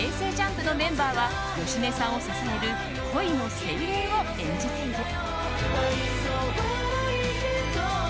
ＪＵＭＰのメンバーは芳根さんを支える恋の精霊を演じている。